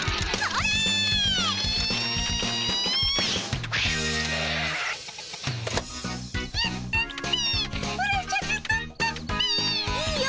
いいよ